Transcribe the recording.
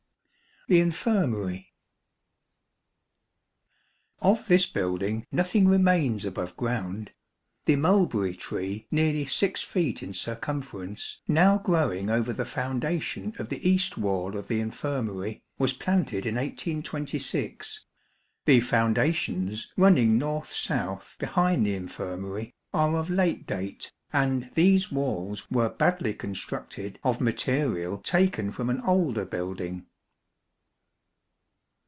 The Infirmary. Of this building nothing remains above ground. The mulberry tree, nearly 6 feet in circumference, now growing over the foundation of the east wall of the infirmary, was planted in 1826. The foundations, running north south behind the infirmary, are of late date, and these walls were badly constructed of material taken from an older building.